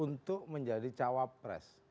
untuk menjadi cak imin wapres